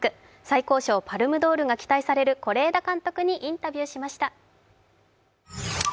最高賞パルムドールが期待される是枝監督にインタビューしました。